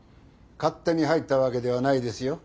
勝手に入ったわけではないですよ。